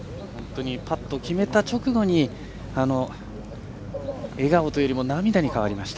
パットを決めた直後に笑顔というよりも涙に変わりました。